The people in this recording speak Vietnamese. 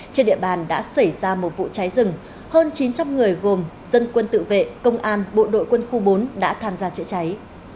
trên địa bàn đã xảy ra một vụ cháy rừng hơn chín trăm linh người gồm dân quân tự vệ công an bộ đội quân khu bốn đã tham gia chữa cháy